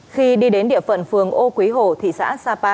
khi đi đến địa phận phường ô quý hồ thị xã sapa